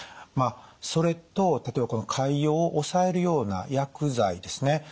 まあそれと例えば潰瘍を抑えるような薬剤ですね。